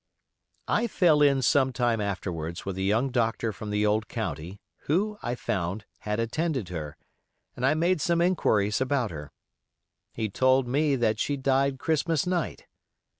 I fell in some time afterwards with a young doctor from the old county, who, I found, had attended her, and I made some inquiries about her. He told me that she died Christmas night.